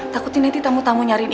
takutin nanti tamu tamu nyarin ibu